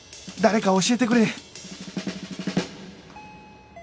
誰か教えてくれ！